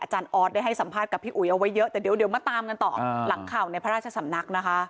ออสได้ให้สัมภาษณ์กับพี่อุ๋ยเอาไว้เยอะแต่เดี๋ยวมาตามกันต่อหลังข่าวในพระราชสำนักนะคะ